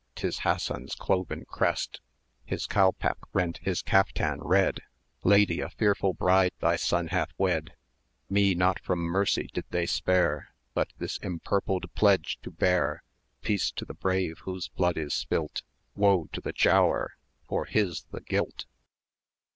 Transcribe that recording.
'tis Hassan's cloven crest! His calpac rent his caftan red "Lady, a fearful bride thy Son hath wed: Me, not from mercy, did they spare, But this empurpled pledge to bear. 720 Peace to the brave! whose blood is spilt: Woe to the Giaour! for his the guilt."